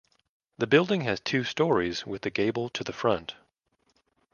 The building has two storeys with the gable to the front.